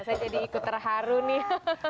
saya jadi ikut terharu nih